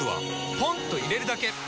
ポンと入れるだけ！